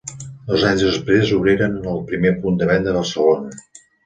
Dos anys després obririen el primer punt de venda a Barcelona.